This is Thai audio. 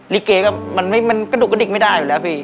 ลิเกก็มันกระดุกกระดิกไม่ได้อยู่แล้วพี่